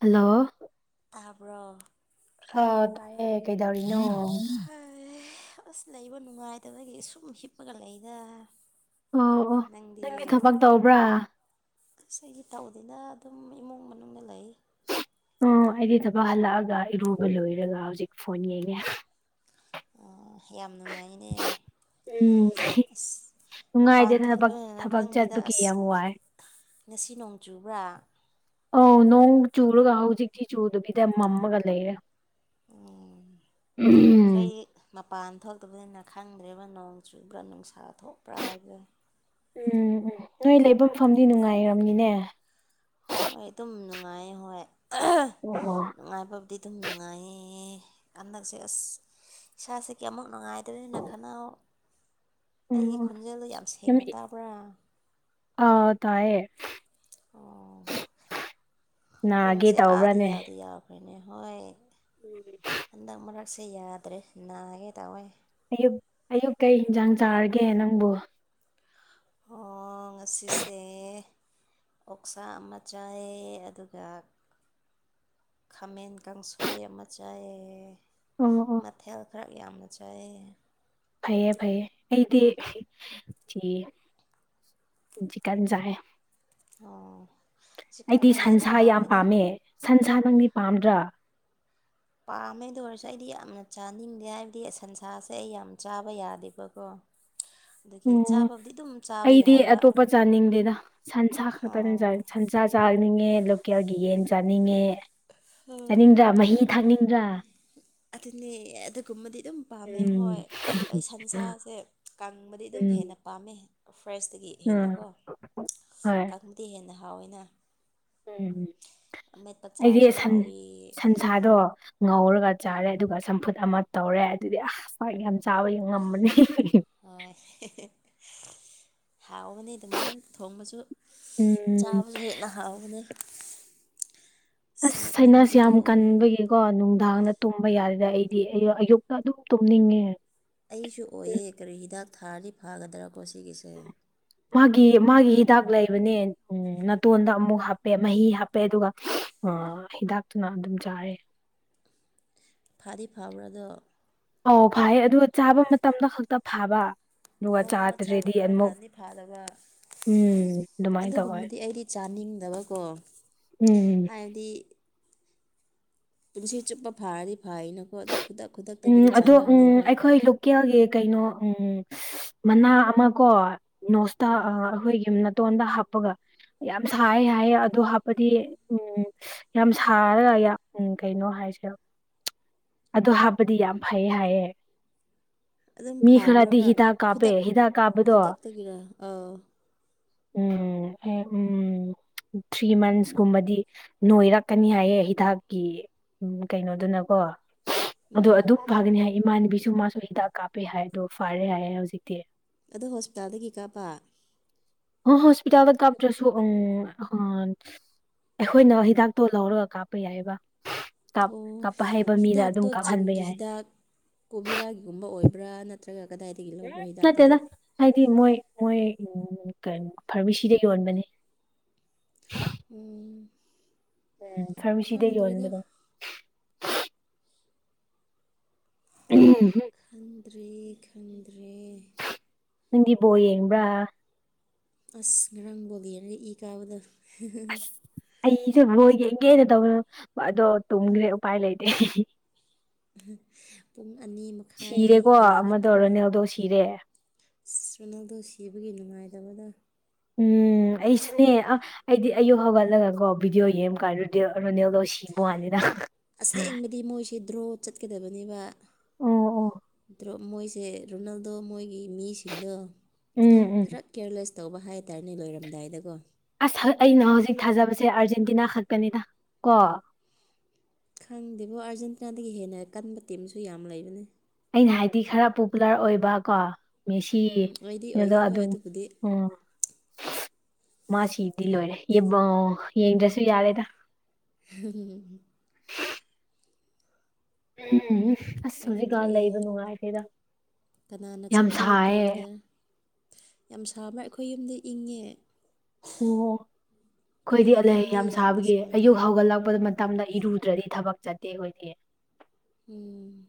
hello ꯇꯥꯕ꯭ꯔꯣ ꯑꯥ ꯇꯥꯏꯌꯦ ꯀꯩꯗꯧꯔꯤꯅꯣ ꯍꯩ ꯑꯁ ꯂꯩꯕ ꯅꯨꯡꯉꯥꯏꯇꯕꯗꯒꯤ ꯁꯨꯝ ꯍꯤꯞꯄꯒ ꯂꯩꯗ ꯑꯣ ꯑꯣ ꯅꯪꯗꯤ ꯊꯕꯛ ꯇꯧꯕ꯭ꯔꯥ ꯑꯁ ꯑꯩꯗꯤ ꯇꯧꯗꯦꯗꯥ ꯑꯗꯨꯝ ꯏꯃꯨꯡ ꯃꯅꯨꯡꯗ ꯂꯩ ꯑꯣ ꯑꯩꯗꯤ ꯊꯕꯛ ꯍꯜꯂꯛꯑꯒ ꯏꯔꯨꯕ ꯂꯣꯏꯔꯒ ꯍꯧꯖꯤꯛ ꯐꯣꯟ ꯌꯦꯡꯉꯦ ꯑꯣ ꯌꯥꯝ ꯅꯨꯡꯉꯥꯏꯅꯦ ꯎꯝ ꯑꯁ ꯃꯄꯥꯟ ꯅꯨꯡꯉꯥꯏꯗꯦꯗ ꯊꯕꯛ ꯊꯣꯛꯇꯕꯅꯤꯅ ꯊꯕꯛ ꯈꯪꯗꯦꯗ ꯆꯠꯄꯒꯤ ꯑꯁ ꯌꯥꯝ ꯋꯥꯏ ꯉꯁꯤ ꯅꯣꯡ ꯆꯨꯕ꯭ꯔꯥ ꯑꯧ ꯅꯣꯡ ꯆꯨꯔꯒ ꯍꯧꯖꯤꯛꯇꯤ ꯆꯨꯗꯕꯤꯗ ꯃꯝꯃꯒ ꯂꯩꯔꯦ ꯎꯝ ꯎꯝ ꯈꯩ ꯃꯄꯥꯟ ꯊꯣꯛꯇꯕꯅꯤꯅ ꯈꯪꯗ꯭ꯔꯦꯕ ꯅꯣꯡ ꯆꯨꯕ꯭ꯔꯥ ꯅꯨꯡꯁꯥ ꯊꯣꯛꯄ꯭ꯔꯥ ꯍꯥꯏꯕꯗꯣ ꯎꯝ ꯎꯝ ꯅꯣꯏ ꯂꯩꯕꯥ ꯐꯝꯗꯤ ꯅꯨꯡꯉꯥꯏꯔꯝꯅꯤꯅꯦ ꯍꯣꯏ ꯑꯗꯨꯝ ꯅꯨꯡꯉꯥꯏꯌꯦ ꯍꯣꯏ ꯑꯣ ꯑꯣ ꯅꯨꯡꯉꯥꯏꯕꯕꯨꯗꯤ ꯑꯗꯨꯝ ꯅꯨꯡꯉꯥꯏꯌꯦ ꯍꯟꯗꯛꯁꯦ ꯑꯁ ꯏꯁꯥꯁꯤ ꯀꯌꯥ ꯃꯨꯛ ꯅꯨꯡꯉꯥꯏꯇꯔꯦꯅꯦ ꯈꯅꯥꯎ ꯑꯩꯒꯤ ꯎꯝ ꯈꯣꯟꯖꯦꯜꯗꯣ ꯌꯥꯝ ꯁꯦꯡꯅ ꯇꯥꯕ꯭ꯔꯥ ꯑꯥ ꯇꯥꯏꯌꯦ ꯑꯣ ꯅꯥꯒꯦ ꯄꯨꯡꯁꯦ ꯑꯥꯗꯤ ꯇꯧꯕ꯭ꯔꯥꯅꯦ ꯌꯥꯗꯤ ꯌꯥꯝꯈ꯭ꯔꯦꯅꯦ ꯍꯣꯏ ꯎꯝ [unintelligible] ꯍꯟꯗꯛ ꯃꯔꯛꯁꯦ ꯌꯥꯗ꯭ꯔꯦ ꯅꯥꯒꯦ ꯇꯧꯋꯦ ꯑꯌꯨꯛ ꯑꯌꯨꯛ ꯀꯩ ꯍꯤꯟꯖꯥꯡ ꯆꯥꯔꯒꯦ ꯅꯪꯕꯨ ꯍꯣ ꯉꯁꯤꯁꯦ ꯑꯣꯛꯁꯥ ꯑꯃ ꯆꯥꯏꯌꯦ ꯑꯗꯨꯒ ꯈꯥꯃꯦꯟ ꯀꯥꯡꯁꯣꯏ ꯑꯃ ꯆꯥꯏꯌꯦ ꯑꯣ ꯑꯣ ꯊꯦꯜ ꯈꯔ ꯌꯥꯝꯅ ꯆꯥꯏꯌꯦ ꯐꯩꯌꯦ ꯐꯩꯌꯦ ꯑꯩꯗꯤ ꯆꯤꯀꯟ ꯆꯥꯏꯌꯦ ꯑꯣ ꯑꯩꯗꯤ ꯆꯤꯛꯀꯟꯅ ꯍꯦꯟꯅ ꯁꯟꯁꯥ ꯌꯥꯝ ꯍꯥꯎꯋꯦꯗ ꯄꯥꯝꯃꯦ ꯁꯟꯁꯥ ꯅꯪꯗꯤ ꯄꯥꯝꯗ꯭ꯔꯥ ꯄꯥꯝꯃꯦꯗ ꯑꯗꯣꯑꯣꯏꯔꯁꯨ ꯑꯩꯗꯤ ꯌꯥꯝꯅ ꯆꯥꯅꯤꯡꯗꯦ ꯍꯥꯏꯕꯗꯤ ꯁꯟꯁꯥꯁꯦ ꯑꯩ ꯌꯥꯝ ꯆꯥꯕ ꯌꯥꯗꯦꯕꯀꯣ [unintelligible] ꯑꯣꯎꯝ ꯆꯥꯕꯕꯨꯗꯤ ꯑꯗꯨꯝ ꯆꯥꯕ ꯑꯩꯗꯤ ꯌꯥꯏꯕ ꯑꯇꯣꯞꯄ ꯆꯥꯅꯤꯡꯗꯦꯗ ꯁꯟꯁꯥ ꯈꯛꯇꯅꯦ ꯑꯣ ꯁꯟ ꯁꯥ ꯆꯥꯅꯤꯡꯉꯦ ꯂꯣꯀꯦꯜꯒꯤ ꯌꯦꯟ ꯆꯥꯅꯤꯡꯉꯦ ꯆꯥꯅꯤꯡꯗ꯭ꯔꯥ ꯃꯍꯤ ꯊꯛꯅꯤꯡꯗ꯭ꯔꯥ ꯑꯗꯨꯅꯦ ꯑꯗꯨꯒꯨꯝꯕꯗꯤ ꯑꯗꯨꯝ ꯄꯥꯝꯃꯦ ꯎꯝ ꯍꯣꯏ ꯑꯗꯨ ꯑꯩ ꯁꯟꯁꯥꯁꯦ ꯀꯪꯕꯗꯤ ꯑꯗꯨꯝ ꯎꯝ ꯍꯦꯟꯅ ꯄꯥꯝꯃꯦ ꯐ꯭ꯔꯦꯁꯇꯒꯤ ꯑꯥ ꯍꯦꯟꯅꯀꯣ ꯍꯣꯏ ꯀꯡꯕꯗꯤ ꯍꯦꯟꯅ ꯍꯥꯎꯋꯦꯅ ꯎꯝ ꯑꯃꯦꯠꯄ ꯑꯩꯗꯤ ꯆꯥꯔꯁꯨ ꯁꯟ ꯍꯥꯎꯋꯤ ꯁꯟ ꯁꯥꯗꯣ ꯉꯧꯔꯒ ꯆꯥꯔꯦ ꯑꯗꯨꯒ ꯆꯝꯐꯨꯠ ꯑꯃ ꯇꯧꯔꯦ ꯑꯗꯨꯗꯤ ꯑꯁ ꯆꯥꯛ ꯌꯥꯝ ꯆꯥꯕꯅꯦ ꯉꯝꯕꯅꯦ ꯍꯣꯏ ꯍꯥꯎꯕꯅꯦ ꯑꯗꯨꯃꯥꯏꯅ ꯊꯣꯡꯕꯁꯨ ꯎꯝ ꯆꯥꯕꯁꯨ ꯍꯦꯟꯅ ꯍꯥꯎꯒꯅꯤ ꯑꯁ ꯁꯥꯏꯅꯥꯁ ꯌꯥꯝ ꯀꯟꯕꯒꯤ ꯀꯣ ꯅꯨꯡꯗꯥꯡꯗ ꯇꯨꯝꯕ ꯌꯥꯗꯦꯗꯥ ꯑꯩꯗꯤ ꯑꯌꯨꯛꯇ ꯑꯗꯨꯝ ꯇꯨꯝꯅꯤꯡꯉꯦ ꯑꯩꯁꯨ ꯎꯝ, ꯑꯣꯏꯌꯦ ꯀꯔꯤ ꯍꯤꯗꯥꯛ ꯊꯥꯔꯗꯤ ꯐꯥꯒꯗ꯭ꯔꯥꯀꯣ ꯁꯤꯒꯤꯁꯦ ꯃꯥꯒꯤ ꯃꯥꯒꯤ ꯍꯤꯗꯥꯛ ꯂꯩꯕꯅꯦ ꯎꯝ ꯅꯥꯇꯣꯟꯗ ꯑꯃꯨꯛ ꯍꯥꯞꯄꯦ ꯃꯍꯤ ꯄꯦ ꯑꯗꯨꯒ ꯍꯤꯗꯥꯛꯇꯨꯅ ꯑꯗꯨꯝ ꯆꯥꯔꯦ ꯐꯥꯗꯤ ꯐꯕ꯭ꯔꯥ ꯑꯗꯣ ꯑꯎ ꯐꯥꯏꯌꯦ ꯑꯗꯨꯒ ꯆꯥꯕ ꯃꯇꯝꯗ ꯈꯛꯇ ꯐꯥꯕ ꯑꯗꯨꯒ ꯑꯣ ꯆꯥꯕ ꯆꯥꯗ꯭ꯔꯗꯤ ꯑꯃꯨꯛ ꯇꯧꯔꯀꯥꯟꯗꯗꯤ ꯐꯥꯗꯕ ꯎꯝ ꯑꯗꯨꯃꯥꯏꯅ ꯇꯧꯋꯦ ꯑꯗꯨꯒꯨꯝꯕꯗꯤ ꯑꯩꯗꯤ ꯆꯥꯅꯤꯡꯗꯕꯀꯣ ꯎꯝ ꯍꯥꯏꯕꯗꯤ ꯄꯨꯟꯁꯤ ꯆꯨꯞꯄ ꯐꯥꯔꯗꯤ ꯐꯌꯦꯅꯀꯣ ꯑꯗꯩ ꯈꯨꯗꯛ ꯈꯨꯗꯛꯇꯒꯤꯗꯤ ꯆꯥꯅꯤꯡꯗꯦꯕ ꯀꯦꯜꯒꯤ ꯀꯩꯅꯣ ꯎꯝ ꯃꯅꯥ ꯑꯃ ꯀꯣ ꯅꯣꯁꯇ ꯑꯩꯈꯣꯏꯒꯤꯨ ꯅꯇꯣꯟꯗ ꯍꯞ ꯍꯥꯞꯄꯒ ꯌꯥꯝ ꯁꯥꯏ ꯍꯥꯏꯌꯦ ꯑꯗꯣ ꯍꯥꯞꯄꯗꯤ ꯎꯝ ꯌꯥꯝ ꯁꯥꯔꯒ ꯎꯝ ꯀꯩꯅꯣ ꯍꯥꯏꯁꯦꯕ ꯑꯗꯨ ꯍꯥꯞ ꯄꯗꯤ ꯌꯥꯝ ꯐꯩꯌꯦ ꯍꯥꯏꯌꯦ ꯑꯗꯨꯝ ꯃꯤ ꯈꯔꯗꯤ ꯐꯥꯕ꯭ꯔꯕ ꯍꯤꯗꯥꯛ ꯀꯥꯞꯄꯦ ꯈꯨꯗꯛ ꯍꯤꯗꯥꯛ ꯀꯥꯞꯄꯗꯣ ꯈꯨꯗꯛꯇꯒꯤꯔ ꯑꯥ ꯎꯝ ꯎꯝ ꯊ꯭ꯔꯤ ꯃꯟꯁꯀꯨꯝꯕꯗꯤ ꯅꯣꯏꯔꯛꯀꯅꯤ ꯍꯥꯏꯌꯦ ꯍꯤꯗꯥꯛꯀꯤ ꯎꯝ ꯀꯩꯅꯣꯗꯨꯅꯀꯣ ꯑꯗꯣ ꯎꯝ ꯑꯗꯨꯝ ꯐꯒꯅꯤ ꯍꯥꯏ ꯏꯃꯥꯟꯅꯕꯤꯁꯨ ꯃꯥꯁꯨ ꯍꯤꯗꯥꯛ ꯀꯥꯞꯄꯦ ꯍꯥꯏꯌꯦ ꯐꯔꯦ ꯍꯥꯏꯌꯦ ꯍꯧꯖꯤꯛꯇꯤ ꯑꯗꯨ ꯍꯣꯁꯄꯤꯇꯥꯜꯗꯒꯤ ꯀꯥꯞꯄ ꯑꯣ ꯍꯣꯁꯄꯤꯇꯥꯜꯗ ꯀꯥꯞ꯭ꯔꯁꯨ ꯑꯪ ꯑꯥ ꯑꯩꯈꯣꯏꯅ ꯍꯤꯗꯥꯛꯇꯣ ꯂꯧꯔꯒ ꯀꯥꯞꯄ ꯌꯥꯏꯌ‌ꯦꯕ ꯑꯣ ꯍꯤꯗꯥꯛꯇꯣ ꯆꯤꯡꯒꯤ ꯌꯥꯏ ꯍꯤꯗꯥꯛ ꯀꯣꯕꯤꯔꯥꯒꯤꯒꯨꯝꯕ ꯑꯣꯏꯕ꯭ꯔꯥ ꯅꯠꯇ꯭ꯔꯒ ꯀꯗꯥꯏꯗꯒꯤ ꯂꯧꯕ꯭ꯔꯥ ꯅꯠꯇꯦꯗ ꯍꯤꯗꯥꯛꯇꯨꯗꯤ ꯍꯥꯏꯗꯤ ꯃꯣꯏ ꯃꯣꯏ ꯎꯝ ꯐꯥꯔꯃꯁꯤꯗ ꯌꯣꯟꯕꯅꯤ ꯎꯝ ꯎꯝ ꯐꯥꯔꯃꯁꯤꯗꯒꯤ ꯈꯪꯗ꯭ꯔꯦꯗ ꯌꯣꯜꯕꯗꯣ ꯎꯝ ꯈꯪꯗ꯭ꯔꯦ ꯈꯪꯗ꯭ꯔꯦ ꯅꯪꯗꯤ ꯕꯣꯜ ꯌꯦꯡꯕ꯭ꯔꯥ ꯑꯁ ꯉꯔꯥꯡ ꯕꯣꯜ ꯌꯦꯡꯉꯥꯒ ꯏ ꯀꯥꯕꯗꯣ ꯑꯁ ꯑꯩꯁꯦ ꯕꯣꯜ ꯌꯦꯡꯒꯦꯅ ꯇꯧꯔꯒꯥ ꯑꯗꯣ ꯇꯨꯝꯈ꯭ꯔꯦ ꯎꯄꯥꯏ ꯂꯩꯇꯦ ꯄꯨꯡ ꯑꯅꯤ ꯃꯈꯥꯏ ꯁꯤꯔꯦꯀꯣ ꯍꯦꯜꯂꯒ ꯑꯃꯗꯣ ꯇꯨꯝꯃꯦ ꯔꯣꯅꯥꯜꯗꯣ ꯁꯤꯔꯦ ꯔꯣꯅꯥꯜꯗꯣ ꯁꯤꯕꯒꯤ ꯅꯨꯡꯉꯥꯏꯇꯕꯗꯣ ꯎꯝ ꯑꯩꯁꯨꯅꯦ ꯑꯥ ꯑꯩꯗꯤ ꯑꯌꯨꯛ ꯍꯧꯒꯠꯂꯒꯀꯣ ꯚꯤꯗꯤꯑꯣ ꯌꯦꯡꯕꯀꯥꯟ ꯔꯣꯅꯦꯜꯗꯣ ꯁꯤꯕ ꯋꯥꯅꯤꯗ ꯑꯁꯦꯡꯕꯗꯤ ꯃꯣꯏꯁꯤ ꯗ꯭ꯔꯣ ꯆꯠꯀꯗꯕꯅꯦꯕ ꯑꯣ ꯑꯣ ꯗ꯭ꯔꯣ ꯃꯣꯏꯁꯦ ꯔꯣꯅꯥꯜꯗꯣ ꯃꯣꯏꯒꯤ ꯃꯤꯁꯤꯡꯗꯣ ꯎꯝ ꯎꯝ ꯈꯔ ꯀꯦꯌꯔꯂꯦꯁ ꯇꯧꯕ ꯍꯥꯏꯇꯥꯥꯔꯦꯅꯦ ꯂꯣꯏꯔꯝꯗꯥꯏꯗꯀꯣ ꯑꯁ ꯑꯩꯅ ꯍꯧꯖꯤꯛ ꯊꯥꯖꯕꯁꯦ ꯑꯥꯔꯖꯦꯟꯇꯤꯅꯥ ꯈꯛꯇꯅꯤꯗ ꯀꯣ ꯈꯪꯗꯦꯕꯨ ꯑꯥꯔꯖꯦꯟꯇꯤꯅꯥꯗꯒꯤ ꯍꯦꯟꯅ ꯀꯟꯕ ꯇꯤꯝꯁꯨ ꯌꯥꯝ ꯂꯩꯕꯅꯦ ꯑꯩꯅ ꯍꯥꯏꯗꯤ ꯈꯔ ꯄꯣꯄꯨꯂꯔ ꯑꯣꯏꯕ ꯀꯣ ꯃꯦꯁꯤ ꯎꯝ ꯑꯣꯏꯗꯤ ꯔꯣꯅꯥꯜꯗꯣ ꯑꯣꯏꯌꯦ ꯍꯣꯏ ꯑꯗꯨ ꯑꯗꯨꯕꯨꯗꯤ ꯎꯝ ꯃꯥ ꯁꯤꯗꯤ ꯂꯣꯏꯔꯦ ꯏꯕꯣ ꯌꯦꯡꯗ꯭ꯔꯁꯨ ꯌꯥꯔꯦꯗ [unintelligible] ꯎꯝ ꯑꯁ ꯍꯧꯖꯤꯛꯀꯥꯟ ꯈꯪꯗ꯭ꯔꯦ ꯂꯩꯕ ꯅꯨꯡꯉꯥꯏꯇꯦꯗ ꯀꯅꯥꯅ ꯌꯥꯝ ꯆꯦꯝꯄꯤꯌꯣꯟ ꯁꯥꯏꯌꯦ ꯄꯣꯟꯒꯗ꯭ꯔꯥ ꯌꯥꯝ ꯁꯥꯕ꯭ꯔꯥ ꯑꯩꯈꯣꯏ ꯌꯨꯝꯗꯤ ꯏꯪꯉꯦ ꯑꯣ ꯑꯩꯈꯣꯏ ꯑꯩꯈꯣꯏꯗꯤ ꯑꯂ ꯂꯩꯐꯝꯗꯤ ꯌꯥꯝ ꯌꯥꯝꯅ ꯁꯥꯕꯒꯤ ꯁꯥꯗꯦ ꯑꯌꯨꯛ ꯍꯧꯒꯠꯂꯛꯄꯗ ꯃꯇꯝ ꯃꯇꯝꯗ ꯏꯔꯨꯗ꯭ꯔꯗꯤ ꯊꯕꯛ ꯆꯠꯇꯦ ꯑꯩꯈꯣꯏꯗꯤ ꯎꯝ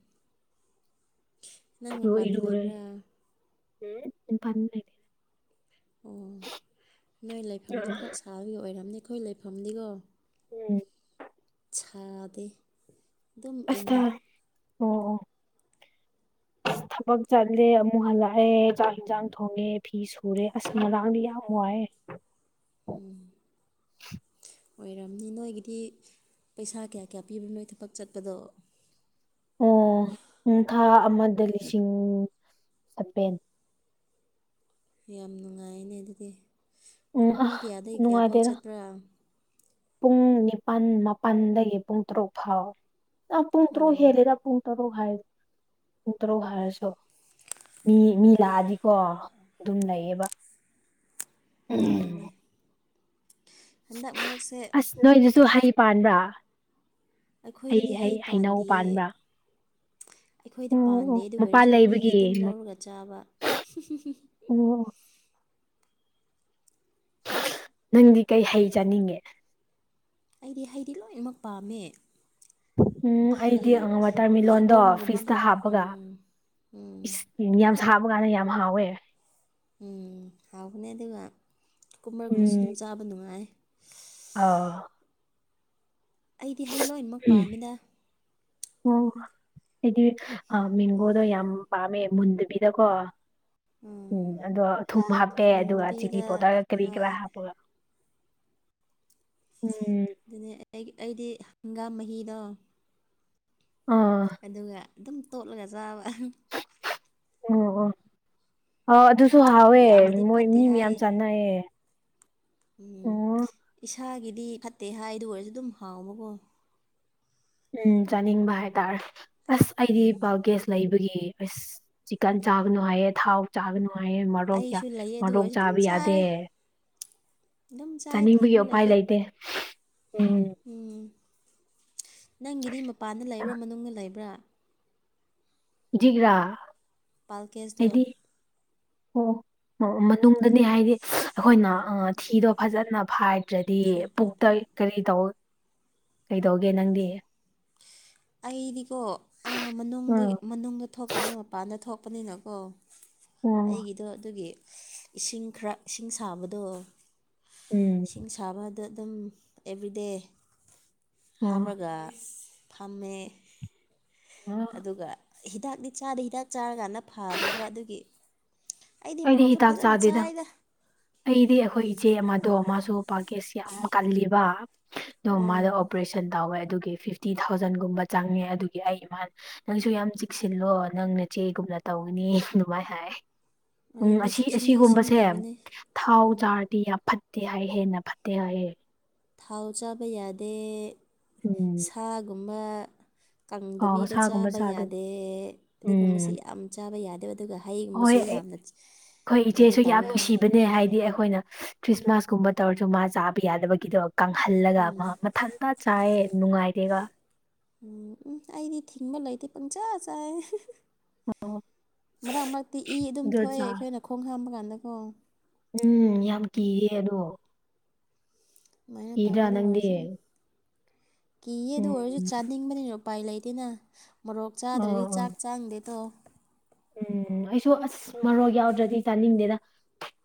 ꯂꯣꯏ ꯃꯄꯥꯟꯗ ꯏꯔꯨꯔꯦ ꯂꯩꯕ꯭ꯔꯥ ꯎꯝ [unintelligible] ꯑꯣ ꯅꯣꯏ ꯂꯩꯐꯝꯗꯣ ꯈꯔ ꯁꯥꯕꯒꯤ ꯑꯣꯏꯔꯝꯅꯤ ꯑꯩꯈꯣꯏ ꯂꯩꯐꯝꯗꯤꯀꯣ ꯎꯝ ꯁꯥꯗꯦ ꯑꯗꯨꯝ ꯑꯁ ꯊꯥ ꯏꯪꯉꯤ [inaudible] ꯑꯁ ꯊꯕꯛ ꯆꯠꯂꯦ ꯑꯃꯨꯛ ꯍꯜꯂꯛꯑꯦ ꯆꯥꯛ ꯍꯤꯡꯖꯥꯡ ꯊꯣꯡꯉꯦ ꯐꯤ ꯁꯨꯔꯦ ꯑꯁ ꯉꯔꯥꯡꯗꯤ ꯌꯥꯝ ꯋꯥꯏꯑꯦ ꯎꯝ ꯑꯣꯏꯔꯝꯅꯤ ꯅꯣꯏꯒꯤꯗꯤ ꯄꯩꯁꯥ ꯀꯌꯥ ꯀꯌꯥ ꯄꯤꯕ ꯅꯣꯏ ꯊꯕꯛ ꯆꯠꯄꯗꯣ ꯑꯣ ꯎꯝ ꯊꯥ ꯑꯃꯗ ꯂꯤꯁꯤꯡ ꯁꯚꯦꯟ ꯌꯥꯝ ꯅꯨꯡꯉꯥꯏꯅꯦ ꯑꯗꯨꯗꯤ ꯎꯝ ꯄꯨꯡ ꯑ ꯀꯌꯥꯗꯒꯤ ꯀꯌꯥꯐꯥꯎ ꯅꯨꯡꯉꯥꯏꯇꯦꯗ ꯆꯠꯄ꯭ꯔꯥ ꯄꯨꯡ ꯅꯤꯄꯥꯜ ꯃꯥꯄꯜꯗꯒꯤ ꯄꯨꯡ ꯇꯔꯨꯛ ꯐꯥꯎ ꯑꯥ ꯄꯨꯡ ꯇꯔꯨꯛ ꯍꯦꯜꯂꯤꯔ ꯄꯨꯡ ꯇꯔꯨꯛ ꯍꯥꯏ ꯄꯨꯡ ꯇꯔꯨꯛ ꯍꯥꯏꯔꯁꯨ ꯃꯤ ꯃꯤ ꯂꯛꯑꯗꯤ ꯍꯣ ꯑꯗꯨꯝ ꯂꯩꯌꯦꯕ ꯑꯗꯨꯅꯦ ꯍꯥꯟꯗꯛ ꯃꯔꯛ ꯁꯦ ꯑꯁ ꯅꯣꯏꯗꯨꯁꯨ ꯍꯩ ꯄꯥꯟꯕ꯭ꯔꯥ ꯑꯩꯈꯣꯏꯗꯗꯤ ꯍꯩ ꯄꯥꯟꯗꯤꯌꯦ ꯑꯩꯈꯣꯏꯗ ꯄꯥꯟꯗꯦ ꯑꯗꯨ ꯃꯄꯥꯟ ꯑꯣꯏꯔꯁꯨ ꯃꯤꯒꯤ ꯂꯩꯕꯒꯤ ꯑꯗꯨꯝ ꯂꯧꯔꯒ ꯆꯥꯕ ꯑꯣ ꯅꯪꯗꯤ ꯀꯩ ꯍꯩ ꯆꯥꯅꯤꯡꯒꯦ ꯑꯩꯗꯤ ꯍꯩꯗꯤ ꯂꯣꯏꯅꯃꯛ ꯄꯥꯝꯃꯦ ꯎꯝ ꯍꯩ ꯑꯩꯗꯤ ꯑ ꯋꯥꯇꯔꯃꯤꯂꯣꯟꯗꯣ ꯐ꯭ꯔꯤꯖꯇ ꯍꯩꯕꯣꯡꯒꯨꯝꯕꯒ ꯍꯥꯞꯄꯒ ꯎꯝ ꯎꯝ ꯎꯝ ꯌꯥꯝ ꯁꯥꯕ ꯀꯥꯟꯗ ꯌꯥꯝ ꯍꯥꯎꯋꯦ ꯎꯝ ꯍꯥꯎꯕꯅꯦ ꯑꯗꯨꯒ ꯀꯨꯀꯨꯝꯕꯔ ꯒꯨꯝꯕꯁꯨ ꯎꯝ ꯑꯗꯨꯝ ꯆꯥꯕ ꯅꯨꯡꯉꯥꯏ ꯑꯥ ꯑꯩꯗꯤ ꯍꯩ ꯂꯣꯏꯅꯃꯛ ꯄꯥꯝꯃꯤꯅ ꯑꯣ ꯑꯩꯗꯤ ꯃꯤꯡꯒꯣꯗꯣ ꯌꯥꯝ ꯄꯥꯝꯃꯦ ꯃꯨꯟꯗꯕꯤꯗꯀꯣ ꯎꯝ ꯑꯗꯣ ꯊꯨꯝ ꯍꯥꯞꯄꯦ ꯑꯗꯨꯒ ꯆꯤꯅꯥ ꯃꯨꯟꯗꯕꯤꯗ ꯄꯥꯎꯗꯔꯒ ꯀꯔꯤ ꯀꯔꯥ ꯍꯣꯏ ꯍꯥꯞꯄꯒ ꯎꯝ ꯑꯗꯨꯅꯦ ꯑꯩ ꯑꯩꯗꯤ ꯍꯪꯒꯥꯝ ꯃꯍꯤꯗꯣ ꯑꯥ ꯑꯗꯨꯒ ꯑꯗꯨꯝ ꯇꯣꯠꯂꯒ ꯆꯥꯕ ꯑꯣ ꯑꯣ ꯑꯥꯎ ꯑꯗꯨꯁꯨ ꯍꯥꯎꯋꯦ ꯌꯥꯝꯅꯗꯤ ꯃꯣꯏ ꯐꯠꯇꯦ ꯃꯤ ꯍꯥꯏ ꯃꯌꯥꯝ ꯆꯥꯟꯅꯩꯌꯦ ꯎꯝ ꯑꯣ ꯏꯁꯥꯒꯤꯗꯤ ꯐꯠꯇꯦ ꯍꯥꯏꯗꯨ ꯑꯣꯏꯔꯁꯨ ꯑꯗꯨꯝ ꯍꯥꯎꯕꯀꯣ ꯎꯝ ꯆꯥꯅꯤꯡꯕ ꯍꯥꯏꯇꯥꯔꯦ ꯑꯁ ꯑꯩꯗꯤ ꯄꯥꯜ ꯀꯦꯁ ꯂꯩꯕꯒꯤ ꯑꯁ ꯆꯤꯛꯀꯟ ꯆꯥꯒꯅꯨ ꯍꯥꯏꯌꯦ ꯊꯥꯎ ꯆꯥꯒꯅꯨ ꯍꯥꯏꯌꯦ ꯃꯔꯣꯛ ꯑꯩꯁꯨ ꯂꯩꯌꯦ ꯑꯗꯨ ꯃꯔꯣꯛ ꯑꯣꯏꯔꯁꯨ ꯑꯗꯨꯝ ꯆꯥꯕ ꯌꯥꯗꯦ ꯆꯥꯔꯦ ꯑꯗꯨꯝ ꯆꯥꯏ ꯆꯥꯅꯤꯡꯕꯒꯤ ꯊꯤꯡꯕ ꯎꯄꯥꯏ ꯂꯩꯇꯦ ꯎꯝ ꯎꯝ ꯅꯪꯒꯤꯗꯤ ꯃꯄꯥꯟꯗ ꯂꯩꯕ꯭ꯔꯥ ꯃꯅꯨꯡꯗ ꯂꯩꯕ꯭ꯔꯥ ꯖꯤꯛꯔꯥ ꯄꯥꯜ ꯀꯦꯁꯗꯨ ꯑꯣ ꯃꯇꯨꯡꯗꯅꯦ ꯍꯥꯏꯗꯤ ꯑꯩꯈꯣꯏꯅ ꯊꯤꯗꯣ ꯐꯖꯅ ꯐꯥꯏꯗ꯭ꯔꯗꯤ ꯁꯨꯄꯥꯟ ꯄꯨꯛꯇ ꯀꯔꯤ ꯇꯧ ꯀꯩꯗꯧꯒꯦ ꯅꯪꯗꯤ ꯑꯩꯗꯤꯀꯣ ꯑꯥ ꯃꯅꯨꯡꯗꯒꯤ ꯎꯝ ꯃꯅꯨꯡꯗ ꯊꯣꯛ ꯄꯤꯕ ꯃꯄꯥꯟꯗ ꯊꯣꯛꯄꯅꯤꯅꯀꯣ ꯑꯣ ꯑꯩꯒꯤꯗꯣ ꯑꯗꯨꯒꯤ ꯏꯁꯤꯡ ꯈꯔ ꯏꯁꯤꯡ ꯁꯥꯕꯗꯣ ꯎꯝ ꯏꯁꯤꯡ ꯁꯥꯕꯗ ꯑꯗꯨꯝ ꯑꯦꯕ꯭ꯔꯤꯗꯦ ꯑꯣ ꯍꯥꯞꯄꯒ ꯐꯝꯃꯦ ꯑꯣ ꯑꯗꯨꯒ ꯍꯤꯗꯥꯛꯗꯤ ꯆꯥꯗꯦ ꯍꯤꯗꯥꯛ ꯆꯥꯔꯀꯥꯟꯗ ꯐꯗꯦꯕ ꯑꯗꯨꯒꯤ ꯑꯩꯗꯤ ꯃꯣꯔꯣꯛꯁꯨ ꯍꯤꯗꯥꯛ ꯐꯖꯅ ꯆꯥꯗꯦꯗ ꯆꯥꯏꯗ ꯑꯩꯗꯤ ꯑꯩꯈꯣꯏ ꯏꯆꯦ ꯑꯃꯗꯣ ꯑꯃꯁꯁꯨ ꯄꯥꯜꯀꯦꯁ ꯌꯥꯝ ꯀꯜꯂꯤꯕ ꯗꯣ ꯑꯣ ꯃꯥꯗ ꯑꯣꯄꯔꯦꯁꯟ ꯇꯧꯋꯦ ꯑꯗꯨꯒꯤ ꯐꯤꯐꯇꯤ ꯊꯥꯎꯖꯟꯒꯨꯝꯕ ꯆꯪꯉꯦ ꯑꯗꯨꯒꯤ ꯑꯩ ꯏꯃꯥꯟ ꯅꯪꯁꯨ ꯌꯥꯝ ꯆꯤꯛꯁꯤꯜꯂꯣ ꯅꯪ ꯅꯆꯦꯒꯨꯝꯅ ꯇꯧꯒꯅꯤ ꯑꯗꯨꯃꯥꯏꯅ ꯍꯥꯏ ꯎꯝ ꯑꯗꯨꯅꯤ ꯑꯁꯤ ꯆꯦꯛꯁꯤꯟꯗꯤ ꯑꯁꯤꯒꯨꯝꯕꯁꯦ ꯆꯦꯛꯁꯤꯟꯒꯗꯕꯅꯤ ꯊꯥꯎ ꯆꯥꯔꯗꯤ ꯌꯥꯝ ꯐꯠꯇꯦ ꯍꯥꯏ ꯍꯦꯟꯅ ꯐꯠꯇꯦ ꯍꯥꯏꯌꯦ ꯊꯥꯎ ꯆꯥꯕ ꯌꯥꯗꯦ ꯎꯝ ꯁꯥꯒꯨꯝꯕ ꯑꯥꯎ ꯀꯪꯗꯕꯤꯗ ꯁꯥꯒꯨꯝꯕ ꯆꯥꯕ ꯆꯥꯗ ꯌꯥꯗꯦ ꯑꯗꯨꯒꯨꯝꯕꯁꯤ ꯎꯝ ꯌꯥꯝ ꯆꯥꯕ ꯌꯥꯗꯦꯕ ꯑꯗꯨꯒ ꯍꯣꯏ ꯍꯩꯒꯨꯝꯕꯁꯨ ꯌꯥꯝꯅ ꯑꯩꯈꯣꯏ ꯀꯩꯅꯣ ꯏꯆꯦꯁꯨ ꯌꯥꯝ ꯇꯧꯋꯦ ꯍꯥꯏ ꯅꯨꯡꯁꯤꯕꯅꯦ ꯍꯥꯏꯗꯤ ꯑꯩꯈꯣꯏꯅ ꯈ꯭ꯔꯤꯁꯃꯥꯁ ꯀꯨꯝꯕ ꯇꯧꯔꯁꯨ ꯃꯥ ꯆꯥꯕ ꯌꯥꯗꯕꯒꯤꯗꯣ ꯀꯪꯍꯜꯂꯒ ꯑꯃ ꯃꯊꯟꯇ ꯆꯥꯏꯌꯦ ꯅꯨꯡꯉꯥꯏꯗꯦꯕ ꯎꯝ ꯎꯝ ꯑꯩꯗꯤ ꯊꯤꯡꯕ ꯂꯩꯇꯦ ꯄꯪꯆꯥꯥ ꯆꯥꯏꯌꯦ ꯃꯔꯛ ꯃꯔꯛꯇꯤ ꯏ ꯑꯗꯨꯝ ꯑꯗꯨ ꯊꯣꯛꯑꯦ ꯆꯥꯏ ꯑꯩꯈꯣꯏꯅ ꯈꯣꯡ ꯍꯥꯝꯕ ꯀꯥꯟꯗꯀꯣ ꯎꯝ ꯌꯥꯝ ꯀꯤꯌꯦ ꯑꯗꯣ ꯨꯃꯥꯏꯅ ꯀꯤꯗ꯭ꯔꯥ ꯅꯪꯗꯤ ꯇꯉꯥꯏꯗꯔꯁ [unintelligible] ꯀꯤꯌꯦ ꯑꯗꯨ ꯑꯣꯏꯔꯁꯨ ꯎꯝ ꯆꯥꯅꯤꯡꯕꯅꯤꯅ ꯎꯄꯥꯏ ꯂꯩꯇꯦꯅ ꯃꯣꯔꯣꯛ ꯑꯣ ꯆꯥꯗ꯭ꯔꯗꯤ ꯑꯣ ꯆꯥꯛ ꯆꯥꯡꯗꯦ ꯇꯣ ꯎꯝ ꯑꯩꯁꯨ ꯑꯁ ꯃꯔꯣꯛ ꯌꯥꯎꯗ꯭ꯔꯗꯤ ꯆꯥꯅꯤꯡꯗꯦꯅ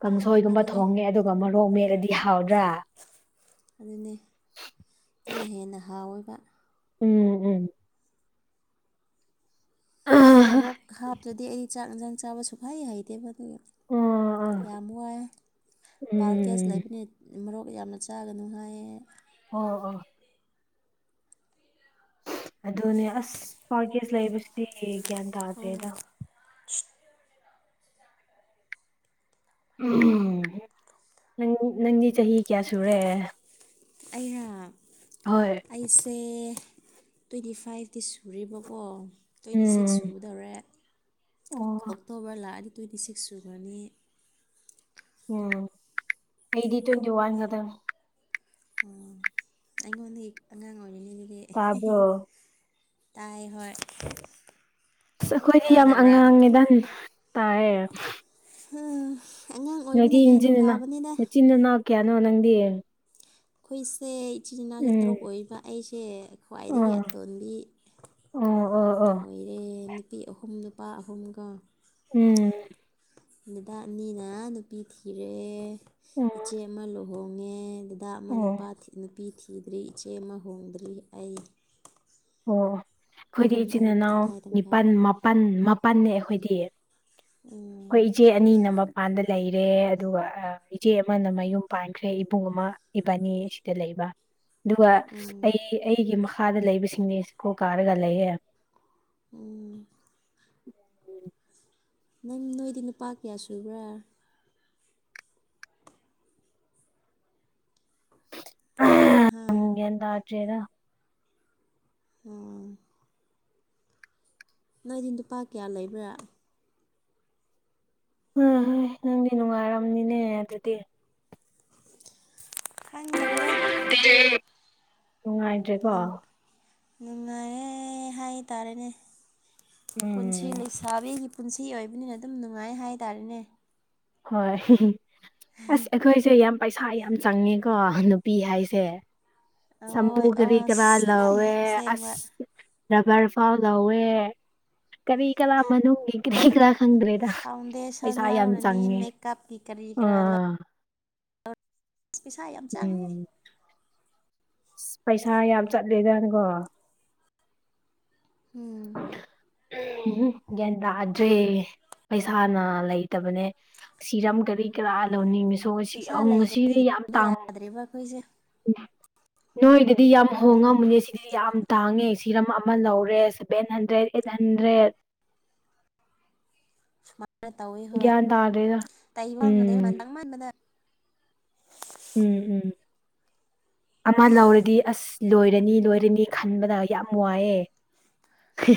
ꯀꯥꯡꯁꯣꯏꯒꯨꯝꯕ ꯑꯗꯨꯅꯤ ꯊꯣꯡꯉꯦ ꯑꯗꯨꯒ ꯃꯣꯔꯣꯛ ꯃꯦꯠꯂꯗꯤ ꯍꯥꯎꯗ꯭ꯔꯥ ꯑꯗꯨꯅꯦ ꯑꯗꯨꯅ ꯍꯦꯟꯅ ꯍꯥꯎꯋꯦꯕ ꯎꯝ ꯎꯝ ꯑꯣ ꯃꯔꯣꯔꯣꯛ ꯍꯥꯞꯇ꯭ꯔꯗꯤ ꯑꯩ ꯆꯥꯛ ꯌꯦꯟꯁꯥꯡ ꯆꯥꯕ ꯁꯨꯍꯩ ꯍꯩꯇꯦꯕ ꯑꯗꯨꯒ ꯎꯝ ꯌꯥꯝ ꯋꯥꯏ ꯄꯥꯜꯀꯦꯁ ꯂꯩꯕꯅꯦ ꯃꯔꯣꯛ ꯌꯥꯝꯅ ꯆꯥꯒꯅꯨ ꯍꯥꯏꯌꯦ ꯑꯣ ꯑꯣ ꯑꯗꯨꯅꯦ ꯑꯁ ꯄꯥꯀꯦꯖ ꯂꯩꯕꯁꯤꯗꯤ ꯒ꯭ꯌꯥꯟ ꯑꯣ ꯇꯥꯗ꯭ꯔꯦꯗ ꯎ ꯅꯪ ꯅꯪꯗꯤ ꯆꯍꯤ ꯀꯌꯥ ꯁꯨꯔꯦ ꯑꯩꯔꯣ ꯍꯣꯏ ꯑꯩꯁꯦ ꯇ꯭ꯋꯦꯟꯇꯤ ꯐꯥꯏꯚꯇꯤ ꯁꯨꯔꯦꯕꯀꯣ ꯇ꯭ꯋꯦꯟꯇꯤ ꯁꯤꯛꯁ ꯎꯝ ꯁꯨꯒꯗꯧꯔꯦ ꯑꯣ ꯑꯣꯛꯇꯣꯕꯔ ꯂꯥꯛꯑꯗꯤ ꯇ꯭ꯋꯦꯟꯇꯤ ꯁꯤꯛꯁ ꯁꯨꯒꯅꯤ ꯎꯝ ꯑꯩꯇꯤ ꯇꯋꯦꯟꯇꯤ ꯋꯥꯟ ꯀꯗꯪ ꯑꯣ ꯑꯩꯉꯣꯟꯗꯩ ꯑꯉꯥꯡ ꯑꯣꯢꯔꯤꯅꯦ ꯑꯗꯨꯗꯤ ꯇꯥꯕ꯭ꯔꯣ ꯇꯥꯏꯌꯦ ꯍꯣꯏ ꯑꯁ ꯑꯩꯈꯣꯏꯗꯤ ꯌꯥꯝ ꯇꯥꯗꯕ꯭ꯔꯥ ꯑꯉꯥꯡꯅꯤꯗ ꯇꯥꯏꯌꯦ ꯎꯝ ꯅꯣꯏꯗꯤ ꯢꯟꯆꯤꯟꯅ ꯅꯆꯤꯟ ꯅꯅꯥꯎ ꯀꯌꯥꯅꯣ ꯅꯪꯗꯤ ꯑꯩꯈꯣꯏꯁꯦ ꯏꯆꯤꯟ ꯏꯅꯥꯎꯁꯦ ꯎꯝ ꯇꯔꯨꯛ ꯑꯣꯏꯌꯦꯕ ꯑꯩꯁꯦ ꯈ꯭ꯋꯥꯏꯗꯒꯤ ꯑꯣ ꯑꯇꯣꯟꯕꯤ ꯑꯣ ꯑꯣ ꯑꯣ ꯑꯣꯏꯔꯦ ꯅꯨꯄꯤ ꯑꯍꯨꯝ ꯅꯨꯄꯥ ꯑꯍꯨꯝꯒ ꯎꯝ ꯅꯨꯗꯥ ꯑꯅꯤꯅ ꯅꯨꯄꯤ ꯊꯤꯔꯦ ꯑꯣ ꯏꯆꯦ ꯑꯃ ꯂꯨꯍꯣꯡꯉꯦ ꯅꯨꯄꯥ ꯑꯃ ꯑꯣ ꯅꯨꯄꯥ ꯅꯨꯄꯤ ꯊꯤꯗ꯭ꯔꯤ ꯏꯆꯦ ꯑꯃ ꯍꯣꯡꯗ꯭ꯔꯤ ꯑꯩ ꯑꯣ ꯑꯩꯈꯣꯏꯗꯤ ꯑꯍꯨꯝ ꯏꯆꯤꯟ ꯑꯍꯨꯝ ꯏꯅꯥꯎ ꯇꯪꯈꯥꯏ ꯇꯪꯈꯥꯏ ꯅꯤꯄꯥꯜ ꯃꯥꯄꯜ ꯃꯥꯄꯜꯅꯦ ꯑꯩꯈꯣꯏꯗꯤ ꯎꯝ ꯑꯩꯈꯣꯏ ꯏꯆꯦ ꯑꯅꯤꯅ ꯃꯄꯥꯟꯗ ꯂꯩꯔꯦ ꯑꯗꯨꯒ ꯏꯆꯦ ꯑꯃꯅ ꯃꯌꯨꯝ ꯄꯥꯟꯈ꯭ꯔꯦ ꯏꯕꯨꯡ ꯑꯃ ꯏꯕꯥꯅꯤ ꯑꯁꯤꯗ ꯂꯩꯕ ꯑꯗꯨꯒ ꯎꯝ ꯑꯩ ꯑꯩꯒꯤ ꯃꯈꯥꯗ ꯂꯩꯕꯁꯤꯡꯗꯤ ꯁ꯭ꯀꯨꯜ ꯀꯥꯔꯒ ꯂꯩꯌꯦ ꯎꯝ ꯅꯪ ꯅꯣꯏꯗꯤ ꯅꯨꯄꯥ ꯀꯌꯥ ꯁꯨꯕ꯭ꯔꯥ ꯎ [unintelligible] ꯍꯥꯥ ꯒ꯭ꯌꯥꯟ ꯇꯥꯗ꯭ꯔꯦꯗ ꯑꯝ ꯅꯣꯢꯗꯤ ꯅꯨꯄꯥ ꯀꯌꯥ ꯂꯩꯕ꯭ꯔꯥ ꯎ ꯍꯣꯏ ꯅꯪꯗꯤ ꯅꯨꯡꯉꯥꯏꯔꯝꯅꯤꯅꯦ ꯑꯗꯨꯗꯤ ꯈꯪꯗ꯭ꯔꯦꯗ ꯑꯣ [unintelligible] ꯅꯨꯡꯉꯥꯢ ꯅꯨꯡꯉꯥꯏꯌꯦ ꯍꯥꯏꯇꯥꯔꯦꯅꯦ ꯄꯨꯟꯁꯤ ꯎꯝ ꯂꯩꯁꯥꯕꯤꯒꯤ ꯄꯨꯟꯁꯤ ꯑꯣꯏꯕꯅꯤꯅ ꯑꯗꯨꯝ ꯅꯨꯡꯉꯥꯏ ꯍꯥꯏꯇꯥꯥꯔꯦꯅꯦ ꯍꯣꯏ ꯑꯁ ꯑꯩꯈꯣꯏꯁꯦ ꯌꯥꯝ ꯄꯩꯁꯥ ꯌꯥꯝ ꯆꯪꯉꯦꯀꯣ ꯅꯨꯄꯤ ꯍꯥꯏꯁꯦ ꯁꯥꯝꯄꯨ ꯑꯣꯏ ꯒꯔꯤ ꯒ꯭ꯔꯥ ꯑꯁ ꯂꯣꯏꯅ ꯂꯧꯋꯦ ꯑꯁꯦꯡꯕ ꯑꯁ ꯔꯕ꯭ꯔ ꯐꯥꯎ ꯂꯧꯋꯦ ꯀꯔꯤ ꯀꯔꯥ ꯃꯅꯨꯡꯒꯤ ꯀꯔꯤ ꯀꯔꯥ ꯈꯪꯗ꯭ꯔꯦꯗ ꯐꯥꯎꯟꯗꯦꯁꯟ ꯄꯩꯁꯥ ꯌꯥꯝ ꯂꯧꯔꯅꯤ ꯆꯪꯉꯦ ꯃꯦꯀꯞꯀꯤ ꯀꯔꯤ ꯀꯔꯥ ꯑꯥ ꯑꯁ ꯄꯩꯁꯥ ꯌꯥꯝ ꯆꯪꯉꯦ ꯏꯁ ꯄꯩꯁꯥ ꯌꯥꯝ ꯆꯠꯂꯦꯗꯪ ꯒꯣ ꯎꯝ ꯎꯝꯍꯨꯝ ꯒ꯭ꯌꯥꯟ ꯇꯥꯗ꯭ꯔꯦ ꯄꯩꯁꯥꯅ ꯂꯩꯇꯕꯅꯦ ꯁꯤꯔꯝ ꯀꯔꯤ ꯀꯔꯥ ꯂꯧꯅꯤꯡꯉꯥ ꯇꯣ ꯁꯤꯑꯝ ꯄꯩꯁꯥ ꯂꯩꯗ꯭ꯔꯗꯤ ꯉꯁꯤꯗꯤ ꯌꯥꯝ ꯍꯤꯡꯕ ꯇꯥꯡ ꯌꯥꯗ꯭ꯔꯦꯕ ꯑꯩꯈꯣꯏꯁꯦ ꯅꯣꯏꯗꯗꯤ ꯌꯥꯝ ꯎꯝ ꯍꯣꯡꯉꯝꯒꯅꯤ ꯁꯤ ꯁꯤ ꯌꯥꯝ ꯇꯥꯡꯉꯦ ꯁꯤꯔꯝ ꯑꯃ ꯂꯧꯔꯦ ꯁꯦꯚꯦꯟ ꯍꯟꯗ꯭ꯔꯦꯗ ꯑꯦꯠ ꯍꯟꯗ꯭ꯔꯦꯗ ꯁꯨꯃꯥꯏꯅ ꯇꯧꯋꯤ ꯍꯣꯏ ꯒ꯭ꯌꯥꯟ ꯇꯥꯗ꯭ꯔꯦꯗ ꯀꯩ ꯃꯪ ꯎꯝ [unintelligible] ꯃꯪꯃꯟꯗꯅ ꯎꯝ ꯎꯝ ꯑꯃ ꯂꯧꯔꯗꯤ ꯑꯁ ꯑꯁ ꯂꯣꯏꯔꯅꯤ ꯂꯣꯏꯔꯅꯤ ꯈꯟꯕꯗ ꯌꯥꯝ ꯋꯥꯏꯌꯦ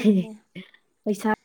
ꯑꯗꯨꯅꯦ ꯄꯩꯁꯥ